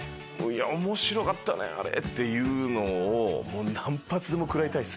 面白かったね！っていうのを何発でも食らいたい。